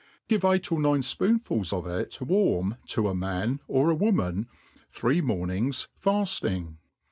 (Jive eight or nine fpoonfuls of it warm to a man, or a woman, three mornings faf^iag.